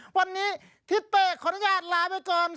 วันนี้ที่เต้คณะญาติลาไปก่อน